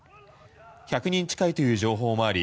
１００人近いという情報もあり